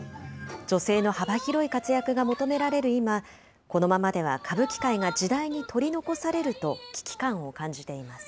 女性の幅広い活躍が求められる今、このままでは歌舞伎界が時代に取り残されると危機感を感じています。